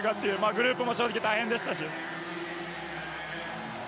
グループも正直、大変でしたし。